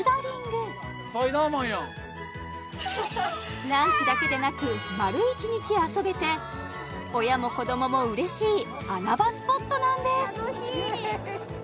スパイダーマンやんランチだけでなく丸一日遊べて親も子どももうれしい穴場スポットなんです